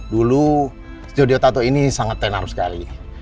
dulu studio tato ini sangat tenar sekali